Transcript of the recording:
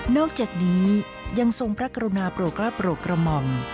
นอกจากนี้ยังทรงพระกรณาโปรกระโปรกระม่อง